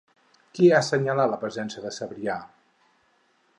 Qui ha assenyalat la presència de Sabrià?